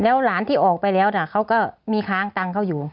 หลานที่ออกไปแล้วนะเขาก็มีค้างตังค์เขาอยู่